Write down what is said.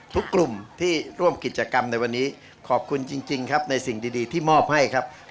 ทุกกลุ่มที่ร่วมกิจกรรมในวันนี้ขอบคุณจริงครับในสิ่งดีที่มอบให้ครับ